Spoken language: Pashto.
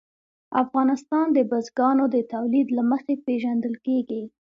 افغانستان د بزګانو د تولید له مخې پېژندل کېږي.